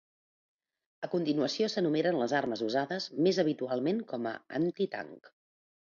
A continuació s'enumeren les armes usades més habitualment com a anti-tanc.